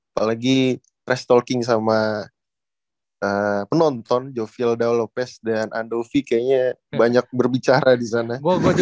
apalagi trash talking sama penonton joviel daulopes dan andovi kayaknya banyak berbicara di sana